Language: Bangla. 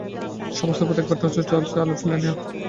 সমস্ত পথ একবারও সে টর্চেও আলো ফেলিল না, অন্ধকারে হাঁটিতে লাগিল।